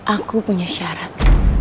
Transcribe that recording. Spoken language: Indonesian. aku punya syarat